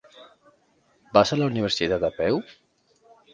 Vas a la universitat a peu?